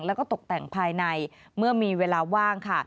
แล้วก็ตกแต่งภายในเมื่อมีเวลาว่างค่ะ